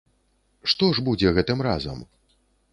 Што ж будзе гэтым разам?